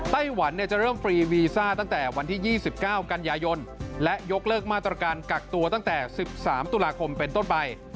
ไต้หวันจะเริ่มฟรีวีซ่าตั้งแต่วันที่๒๙กันยายนและยกเลิกมาตรการกักตัวตั้งแต่๑๓ตุลาคมเป็นต้นไป